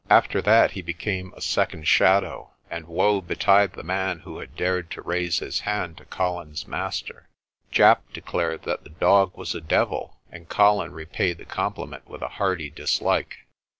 After that he became a second shadow, and woe betide the man who had dared to raise his hand to Colin's master. Japp declared that the dog was a devil, and Colin repaid the compliment with a hearty dislike.